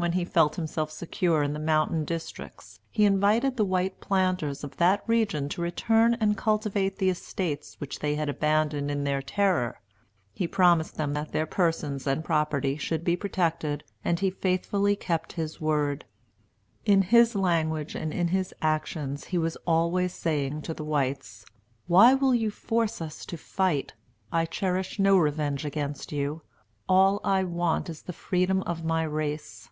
When he felt himself secure in the mountain districts, he invited the white planters of that region to return and cultivate the estates which they had abandoned in their terror. He promised them that their persons and property should be protected; and he faithfully kept his word. In his language and in his actions he was always saying to the whites, "Why will you force us to fight? I cherish no revenge against you. All I want is the freedom of my race."